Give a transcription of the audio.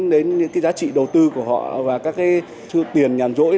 những cái giá trị đầu tư của họ và các cái tiền nhằm dỗi này